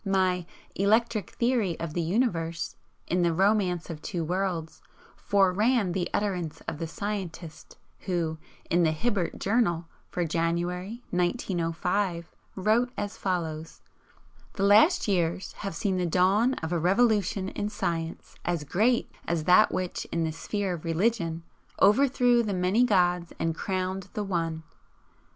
My "Electric Theory of the Universe" in the "Romance of Two Worlds" foreran the utterance of the scientist who in the "Hibbert Journal" for January, 1905, wrote as follows: "The last years have seen the dawn of a revolution in science as great as that which in the sphere of religion overthrew the many gods and crowned the One.